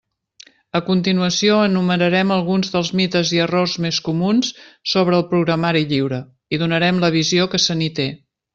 A continuació enumerarem alguns dels mites i errors més comuns sobre el programari lliure i donarem la visió que se n'hi té.